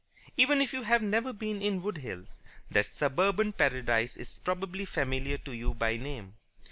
Even if you have never been in Wood Hills, that suburban paradise is probably familiar to you by name.